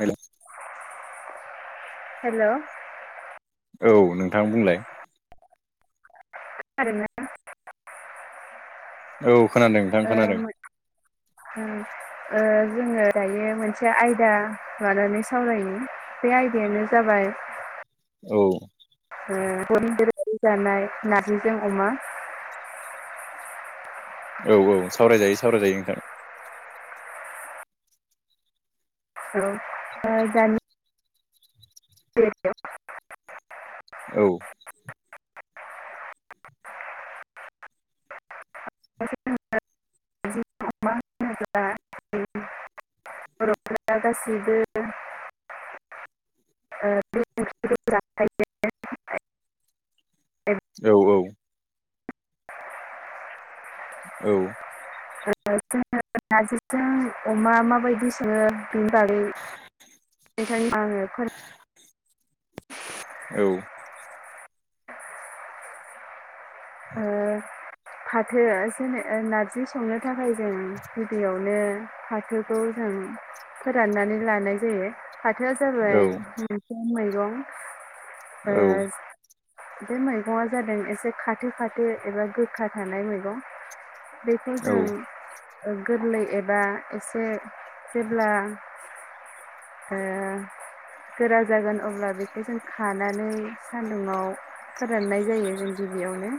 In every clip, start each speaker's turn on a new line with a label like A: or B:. A: हेल'
B: hello
A: औ नोंथां बुंलाय
B: आरोनो
A: औ खोनादों नोंथां
B: ओ
A: खोनादों
B: जोङो दायो मोनसे आयदा लानानै सावरायो बे आयदायानो जाबाय
A: औ
B: [unintelligible] जानाय नार्जिजों अमा
A: औ औ सावरायजायो सावरायजायो नोंथां
B: औ दाजानो [unintelligible]
A: औ
B: [unintelligible] बर'फोरा गासिबो ओ [unintelligible] [unintelligible]
A: औ औ औ
B: जोङो नार्जिजों अमा माबायदि सोङो बेनि बागै बेखायनो आङो फोर
A: औ
B: ओ फाथो जोङो ओ नारजि संनो थाखाय जों गिबियावनो फाथो खौ जों फोराननानै लानाय जायो। फाथोआ
A: औ
B: जाबाय [unintelligible] मैगं ओ
A: औ
B: बे मैगंआ जादों एसे खाथो खाथो एबा गोखा थानाय मैगं बेखौ
A: औ
B: जों ओ गोरलै एबा एसे जेब्ला ओ गोरा जागोन अब्ला बेखौ जों खानानै सान्दुंङाव फोराननाय जायोमोन गिबियावनो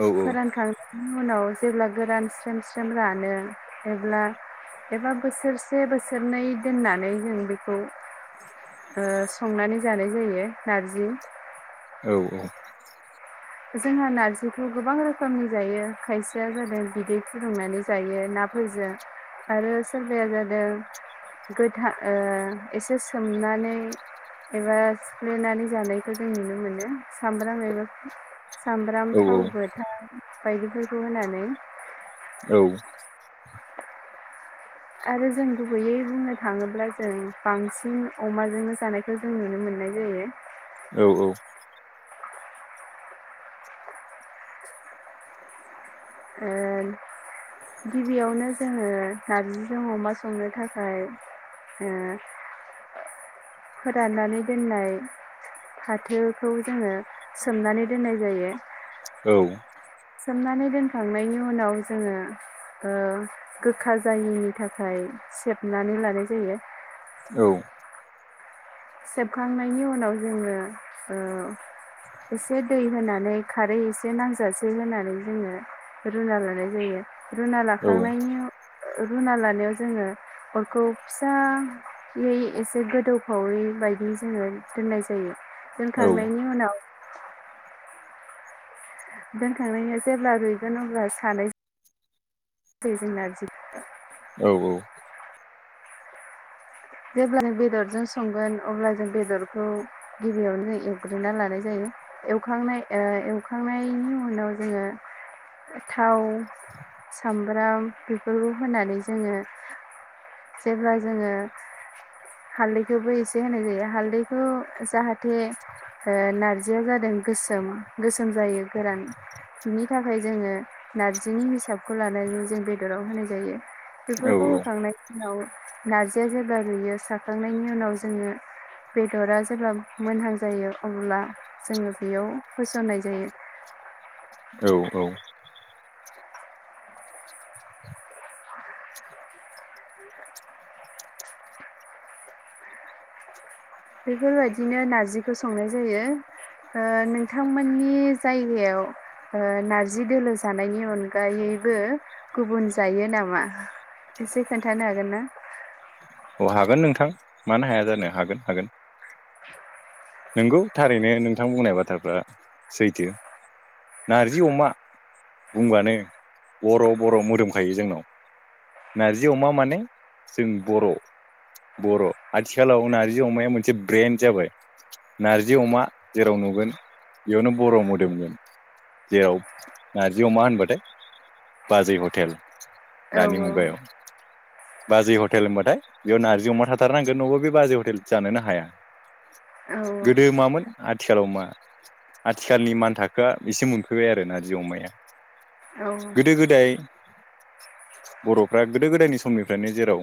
A: औ
B: फोरानखां उनाव जेब्ला गोरान स्रेम स्रेम रानो अब्ला एबा बोसोरसे बोसोरनै दोननानै जों बिखौ संनानै जानाय जायो नारजि
A: औ औ
B: जोंहा नारजिखौ गोबां रोखोमनि जायो खायसेया जादों बिदै फुदुंनानै जायो नाफोरजों आरो सोरबाया जादों गोथा ओ एसे सोमनानै एबा सिफ्लेनानै जानायखौ जों नुनो मोनो सामब्राम एबा सामब्राम थाव गोथा बायदि फोरखौ होनानै
A: औ
B: आरो जों गुबैयै बुंनो थाङोब्ला जों बांसिन अमाजोंनो जानायखौ जों नुनो मोननाय जायो
A: औ औ
B: [inaudible] ओन गिबियावनो जोङो नारजिजों अमा संनो थाखाय ओ फोराननानै दोननाय फाथोखौ जोङो सोमनानै दोननाय जायो
A: औ
B: सोमनानै दोनखांनायनि उनाव जोङो ओ गोखा जायिनि थाखाय सेबनानै लानाय जायो।
A: औ
B: सेबखांनायनि उनाव जोङो ओ इसे दै होनानै खारै एसे नांजासे होनानै जोङो रुना लानाय जायो रुना लाखांनायनि ओ रुना लानायाव जोङो अरखौ फिसा [unintelligible] गोदौफावै बायदि जोङो दोननाय जायो दोनखांनायनि उनाव दोनखांनायनि जेब्ला रुइगोन अब्ला सानै [unintelligible] [inaudible]
A: औ औ
B: जेब्ला जों बेदरजों संगोन अब्ला जों बेदरखौ गिबियावनो एवग्रोनना लानाय जायो। एवखांनाय ओ एवखांनायनि उनाव जोङो थाव सामब्राम बेफोरखौ होनानै जोङो जेब्ला जोङो हालदैखौबो एसे होनाय जायो हालदैखौ जाहाथे नारजिया जादों गोसोम गोसोम जायो गोरान बिनि थाखाय जोङो नारजिनि हिसाबखौ लानानै जों बेदराव होनाय जायो। बेफोरखौ होखांनायनि उनाव नारजिया जेब्ला रुयो साखांनायनि उनाव जोङो बेदरा जेब्ला मोनहां जायो अब्ला जोङो बेयाव होसननाय जायो।
A: औ औ
B: [unintelligible] बेफोरबायदिनो नारजिखौ संनाय जायो। नोंथांमोननि जायगायाव नारजि दोलो जानायनि अनगायैबो गुबुन जायो नामा? एसे खोन्थानो हागोन ना?
A: औ हागोन नोंथां मानो हाया जानो हागोन हागोन नंगौ थारैनो नोंथां बुंनाय बाथ्राफ्रा सैथो। नारजि अमा बुंब्लानो बर' बर' मोदोमखायो जोंनाव। नारजि अमा माने जों बर'। बर' आथिखालाव नार्जि अमाया मोनसे ब्रेन्ड जाबाय। नारजि अमा जेराव नुगोन बेयावनो बर' मोदोमगोन। जेराव नारजि अमा होनबाथाय बाजै हटेल
B: औ
A: दानि मुगायाव। बाजै हटेल होनबाथाय बेयाव नारजि अमा थाथारनांगोन न'बो बे बाजै हटेल जोनो हाया। गोदो
B: औ
A: मामोन आथिखालाव मा। आथिखालनि मान थाखोआ एसे मोनफैबाय आरो नारजि अमाया।
B: औ
A: गोदो गोदाय बर'फ्रा गोदो गोदायनि समनिफ्रायनो जेराव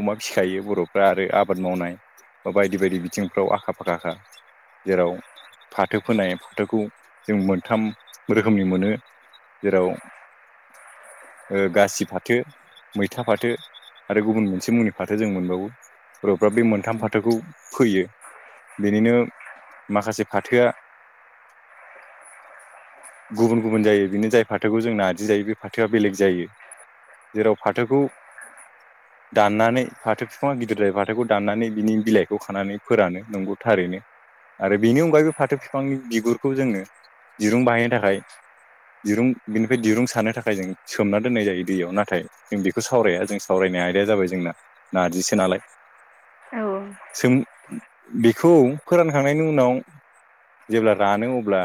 A: अमा फिखायो बर'फ्रा आरो आबाद मावनाय बा बायदि बायदि बिथिंफ्राव आखा फखाखा जेराव फाथो फोनाय फाथोखौ जों मोनथाम रोखोमनि मोनो। जेराव गासि फाथो मैथा फाथो आरो गुबुन मोनसे मुंनि फाथो जों मोनबावो बर'फ्रा बे मोनथाम फाथोखौ फैयो। बेनिनो माखासे फाथोआ
B: [inaudible]
A: गुबुन गुबुन जायो बिनो जाय फाथोखौ जोंना आजि जायो बे फाथोआ बेलेग जायो। जेराव फाथोखौ दाननानै फाथो बिफाङा गिदिरदाय फाथोखौ दाननानै बिनि बिलाइखौ खानानै फोरानो नोंगौ। थारैनो आरो बेनि अनगायैबो फाथो बिफांनि बिगुरखौ जोंनो दिरुं बाहायनो थाखाय दिरुं बिनिफ्राय दिरुं सानो थाखाय जों सोमना दोननाय जायो दैयाव नाथाय जों बेखौ सावराया जों सावरायनाय आयदाया जाबाय जोंना नारजिसो नालाय।
B: औ
A: सों बे खौ फोरानखांनायनि उनाव जेब्ला रानो अब्ला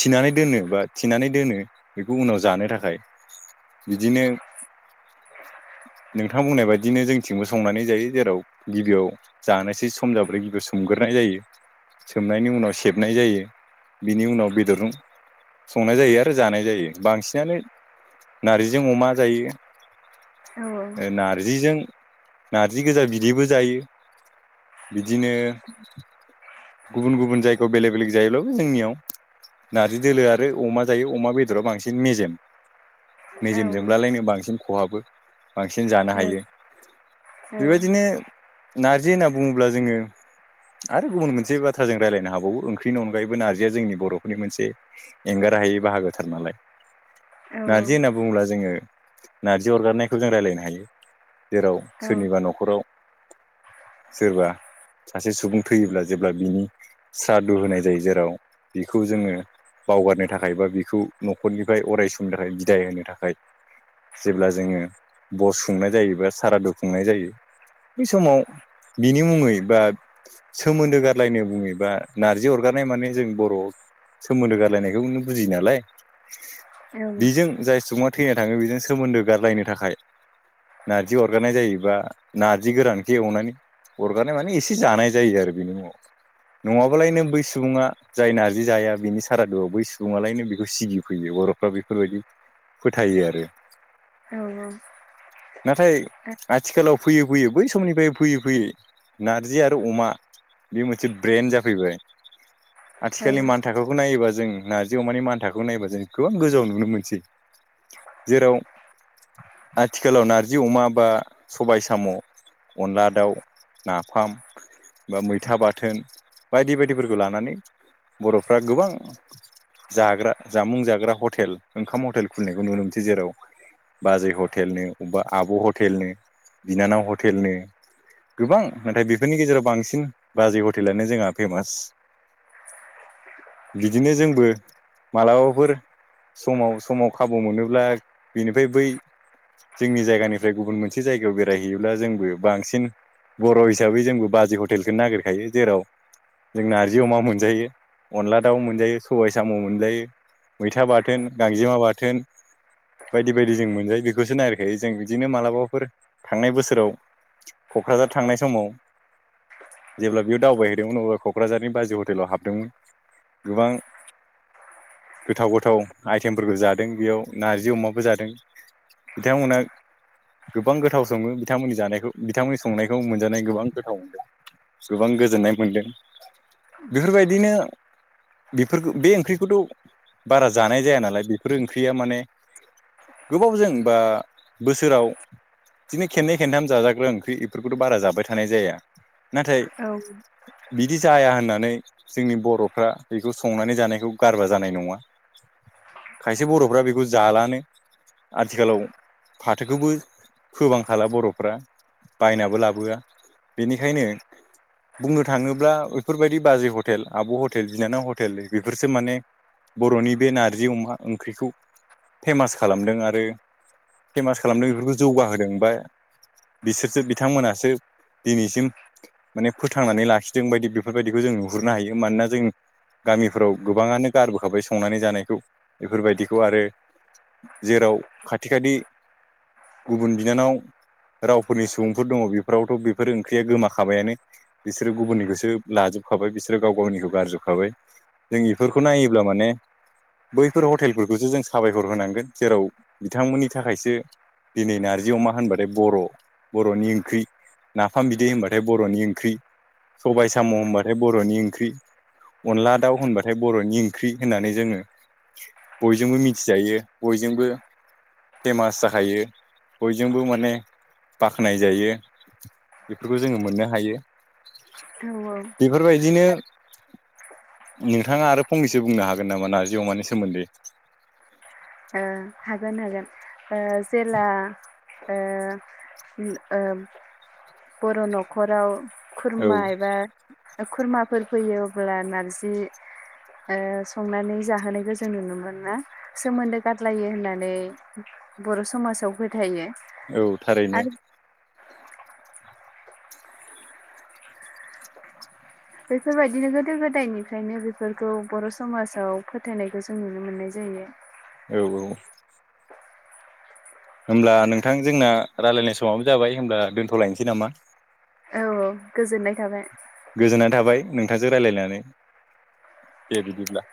A: थिनानै दोनो बा थिनानै दोनो बेखौ उनाव जानो थाखाय। बिदिनो नोंथां बुंनाय बायदिनो जोंथिंबो संनानै जायो जेराव गिबियाव जानोसै स सम जाब्रै गिबियाव सोमगोरनाय जायो। सोमनायनि उनाव सेबनाय जायो बिनि उनाव बेदर संनाय जायो आरो जानाय जायो बांसिनानो नारजिजों अमा जायो नारजिजों नारजि गोजा बिदैबो जायो बिदिनो गुबुन गुबुन जायगायाव बेलेग बेलेग जायोब्लाबो जोंनियाव नारजि दोलो आरो अमा जायो अमा बेदरा बांसिन मेजेम निजेमजोंब्लालायनोों बांसिन खहाबो बांसिन जानो हायो बेबायदिनो नारजि होनना बुङोब्ला जोङो आरो गुबुन मोनसे मोनसे बाथ्राजों रायलायनो हाबावो ओंखनि अनगायैबो नारजिया जोंनि बर'फोरनि मोनसे एंगार हायि बाहागोथार नालाय नार्जि होनना बुङोब्ला जोङो नार्जि अरगारनायखौ जों रायज्लायनो हायो। जेराव सोरनिबा न'खराव सोरबा सासे सुबुं थैयोब्ला जेब्ला बिनि सादु होनाय जायो जेराव बिखौ जोङो बावगारनो थाखाय बा बिखौ न'खरनिफ्राय अराय समनि थाखाय बिदाय होनो थाखाय जेब्ला जोङो बस खुंनाय जायोबा सारादु खुंनाय जायो बै समाव बिनि मुङै बा सोमोन्दो गारलायनो बुङोबा नारजि अरगारनाय माने जों बर'आव सोमोन्दो गारलायनायखौ बुजियो नालाय बेजों जाय सुबुङा थैना थाङो बेजों सोमोन्दो गारलायनो थाखाय नार्जि अरगारनाय जायोबा नार्जि गोरानखो एवनानै अरगारनाय माने एसे जानाय जायो आरो बेनि उाव नङाबालाय नों बै सुबुङा जाय नारजि जाया बिनि सारादुआव बै सुबुङालायनो बेखौ सिगिफैयो बर'फ्रा बेफोरबायदि फोथायो आरो
B: औ नंगौ।
A: नाथाय आथिखालाव फैय फैय बै समनिफ्राय फैयै फैयै नारजि आरो अमा बे मोनसे ब्रेन्ड जाफैबाय
B: ओ
A: आथिखालनि मान थाखाोखौ नायोबा जों नारजि अमानि मान थाखाोखौ नायोबा जों गोबां गोजौाव नुनो मोनसै। जेराव आथिखालाव नारजि अमा बा सबाय साम' अनला दाउ नाफाम बा मैथा बाथोन बायदि बायदिफोरखौ लानानै बर'फ्रा गोबां जाग्रा जामुं जाग्रा हटेल ओंखाम हटेल खुलिनायखौ नुनो मोनसै जेराव बाजै हटेलनो अबेबा आब' हटेलनो बिनानाव हटेलनो गोबां नाथाय बेफोरनि गेजेराव बांसिन बाजै हटेलानो जोंहा फेमास बिदिनो जोंबो मालाबाफोर समाव समाव खाबु मोनोब्ला बेनिफ्राय बै जोंनि जायगानिफ्राय गुबुन मोनसे जायगायाव बेरायहैयोब्ला जोंबो बांसिन बर' हिसाबै जोंबो बाजै हटेलखौ नागिरखायो जेराव जों नारजि अमा मोनजायो अनला दाउ मोनजायो सबाय साम मोनजायो मैथा बाथोन गांजेमा बाथोन बायदि बायदि जों मोनजायो बेखौसो नागिरखायो जों बिदिनो मालाबाफोर थांनाय बोसोराव कक्राझार थांनाय समाव जेब्ला बेयाव दावबायहैदोंमोन अब्ला कक्राझारनि बाजै हटेलाव हाबदोंमोन गोबां गोथाव गोथाव आइटेमफोरखौ जादों बेयाव नारजि अमाबो जादों बिथांमोना गोबां गोथाव सङो बिथांमोननि जानायखौ बिथांमोननि संनायखौ मोनजानाय गोबां गोथाव मोनदों गोबां गोजोननाय मोनदों बेफोरबायदिनो बेफोरखो बे ओंख्रिखौथ बारा जानाय जाया नालाय बेफोर ओंख्रिया माने गोबावजों बा बोसोराव बिदिनो खेननै खेनथाम जाजाग्रा ओंख्रि बेफोरखौथ बारा जाबाय थानाय जाया। नाथाय बिदि जाया होननानै जोंनि बरफ्रा बेखौ संनानै जानायखौ गारबा जानाय नङा। खायसे बरफ्रा बेखौ जालानो। आथिखालाव फाथोखौबो फोबांखाला बर'फ्रा। बायनाबो लाबोआ बेनिखायनो
B: [inaudible]
A: बुंनो थाङोब्ला बेफोरबायदि बाजै हटेल आब हटेल बिनानाव हटेल बेफोरसो माने बरनि बे नारजि अमा ओंख्रिखौ फेमास खालामदों आरो फेमास खालामदों बेफोरखौ जौगाहोदों बा बिसोरसो बिथांमोनासो दिनैसिम माने फोथांनानै लाखिदों बायदि बेफोरबायदिखौ जों नुहुरनो हायो मानोना जों गामिफोराव गोबाङानो गारबोखाबाय संनानै जानायखौ बेफोरबायदिखौ आरो जेराव खाथि खादि गुबुन बिनानाव रावफोरनि सुबुंफोर दङ बेफोरावथ बेफोर ओंख्रिया गोमा खाबायानो बिसोरो गुबुननिखौसो लाजोबखाबाय बिसोरो गाव गावनिखौ गारजोबखाबाय। जों इफोरखौ नायोब्ला माने बैफोर हटेलफोर खौसो जों साबायखर होनांगोन जेराव बिथांमोननि थाखायसो दिनै नार्जि अमा होनबाथाय बर बरनि ओंख्रि नाफाम बिदै होनबा थाय बरनि ओंख्रि सबबाय साम होनबाथाय बरनि ओंख्रि। अनला दाउ होनबाथाय बरनि ओंख्रि होननानै जोङो बयजोंबो मिथिजायो बयजोंबो फेमास जाखायो बयजोंबो माने बाख्नाय जायो। खौ जोङो मोननो हायो।
B: औ औ
A: बेफोरबायदिनो नोंथाङा आरो फंनैसो बुंनो हागोन नामा नार्जि अमानि सोमोन्दै?
B: ओ हागोन हागोन ओ जेला ओ उम ओ बर' नखराव
A: औ
B: खुरमा एबा खुरमाफोर फैयो अब्ला नारजि ओ संनानै जाहोनायखौ जों नुनो मोन ना सोमोन्दो गारलायो होननानै बर समाजाव फोथायो।
A: औ थारैनो
B: [unintelligible] बैफोरबायदिनो गोदो गोदायनिफ्रायनो बेफोरखौ बर समाजाव फोथायनायखौ जों नुनो मोननाय जायो।
A: औ औ होमब्ला नोंथां जोंना रायलायनाय समाबो जाबाय होमब्ला दोनथ लायनोसै नामा?
B: औ गोजोननाय थाबाय।
A: गोजोनाय थाबाय नोंथांजों रायलायनानै दे बिदिब्ला।